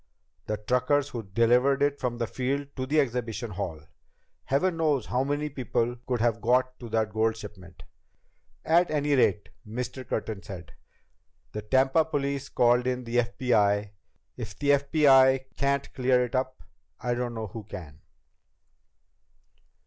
The truckers who delivered it from the field to the exhibition hall. Heaven knows how many people could have got to that gold shipment." "At any rate," Mr. Curtin said, "the Tampa police called in the FBI. If the FBI can't clear it up, I don't know who can."